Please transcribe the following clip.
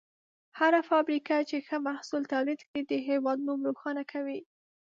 هره فابریکه چې ښه محصول تولید کړي، د هېواد نوم روښانه کوي.